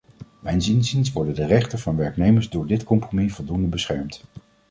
Mijns inziens worden de rechten van werknemers door dit compromis voldoende beschermd.